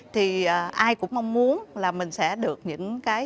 thì ai cũng mong muốn là mình sẽ đạt được những thiết bị điện hằng ngày